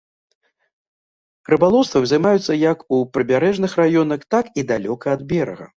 Рыбалоўствам займаюцца як у прыбярэжных раёнах, так і далёка ад берага.